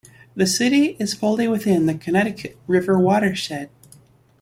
The city is fully within the Connecticut River watershed.